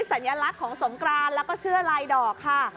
สัญลักษณ์ของสงกรานแล้วก็เสื้อลายดอกค่ะ